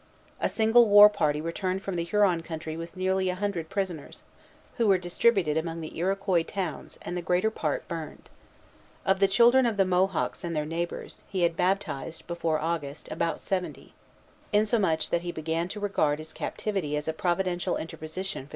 A single war party returned from the Huron country with nearly a hundred prisoners, who were distributed among the Iroquois towns, and the greater part burned. Of the children of the Mohawks and their neighbors, he had baptized, before August, about seventy; insomuch that he began to regard his captivity as a Providential interposition for the saving of souls.